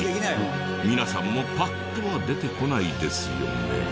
皆さんもパッとは出てこないですよね？